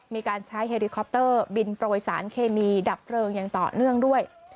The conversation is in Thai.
มีการใช้เฮริคอปเตอร์บินโปรยสารเคมีดับเพลิงอย่างต่อเนื่องด้วย